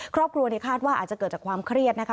ครอบครัวคาดว่าอาจจะเกิดจากความเครียดนะคะ